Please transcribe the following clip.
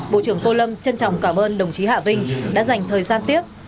bộ trưởng tô lâm trân trọng cảm ơn đồng chí hạ vinh đã dành thời gian tiếp